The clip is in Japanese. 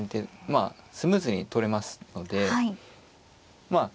まあスムーズに取れますのでまあ